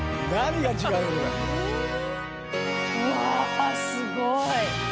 うわすごい！